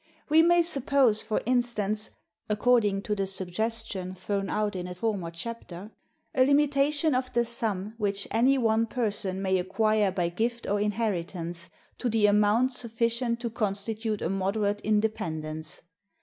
We may suppose, for instance (according to the suggestion thrown out in a former chapter(304)), a limitation of the sum which any one person may acquire by gift or inheritance, to the amount sufficient to constitute a moderate independence.